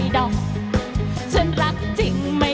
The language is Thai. ฮุยฮาฮุยฮารอบนี้ดูทางเวที